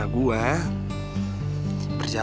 aku udah lihat